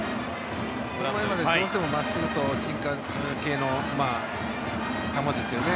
どうしても真っすぐとシンカー系の球ですよね。